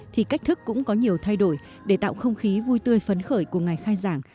thì cách thức cũng có nhiều thay đổi để tạo không khí vui tươi phấn khởi của ngày khai giảng